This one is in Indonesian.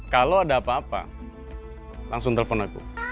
kalau ada apa apa langsung telpon aku